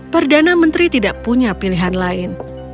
perdana menteri tidak punya pilihan lain